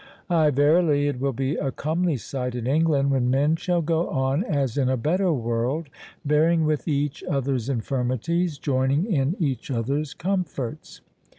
—Ay, verily, it will be a comely sight in England when men shall go on as in a better world, bearing with each other's infirmities, joining in each other's comforts.